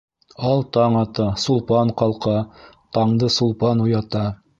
Ал таң ата, Сулпан ҡалҡа, таңды Сулпан уята...